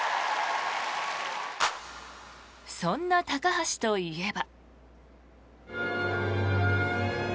そんな高橋といえば。